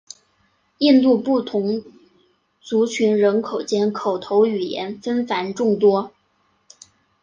印度不同族群人口间口头语言纷繁众多。